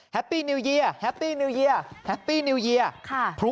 แฮปปี้นิวเยียร์